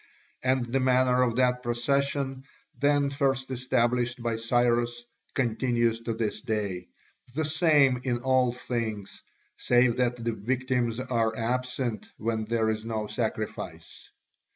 And the manner of that procession, then first established by Cyrus, continues to this day, the same in all things, save that the victims are absent when there is no sacrifice.